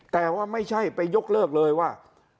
แต่ว่าไม่ใช่ไปยกเลิกเลยว่า